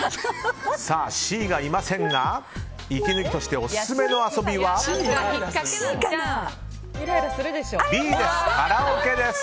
Ｃがいませんが息抜きとしてオススメの遊びはＢです、カラオケです。